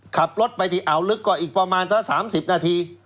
ขับรถไปที่อ่าวลึกก็อีกประมาณสัก๓๐นาที